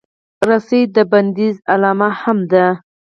رسۍ د بندیز علامه هم ده.